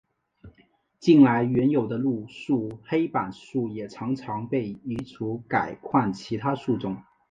近来原有的路树黑板树也常常被移除改换其他树种。